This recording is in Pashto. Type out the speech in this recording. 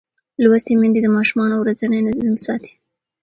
لوستې میندې د ماشوم ورځنی نظم ساتي.